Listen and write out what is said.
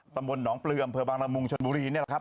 ตหนปลืออำเภอบางละมุมชนบุรีเนี่ยล่ะครับ